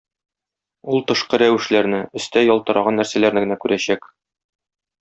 Ул тышкы рәвешләрне, өстә ялтыраган нәрсәләрне генә күрәчәк.